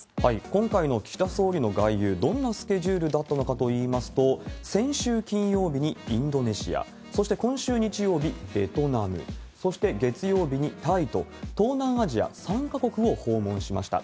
今回の岸田総理の外遊、どんなスケジュールだったのかといいますと、先週金曜日にインドネシア、そして今週日曜日、ベトナム、そして月曜日にタイと、東南アジア３か国を訪問しました。